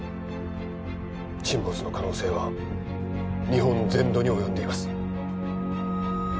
沈没の可能性は日本全土に及んでいます